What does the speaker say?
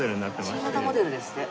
新型モデルですって。